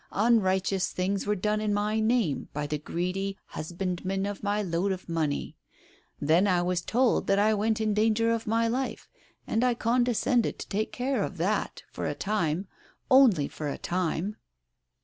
Unrighteous things were done in my name, by the greedy husbandmen of my load of money. Then I was told that I went in danger of my life, and I condescended to take care of that — for a time — only for a time